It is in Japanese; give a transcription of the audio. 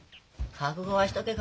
覚悟はしとけ。